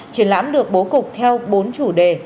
triển lãm được bố cục theo bốn chủ đề